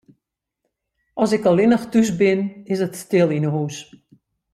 As ik allinnich thús bin, is it stil yn 'e hús.